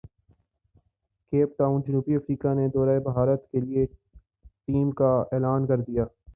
cap Town جنوبی افریقہ نے دورہ بھارت کیلئے ٹیم کا اعلان کردیا